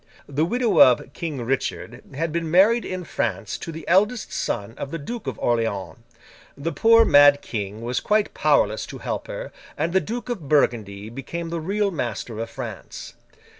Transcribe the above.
The widow of King Richard had been married in France to the eldest son of the Duke of Orleans. The poor mad King was quite powerless to help her, and the Duke of Burgundy became the real master of France.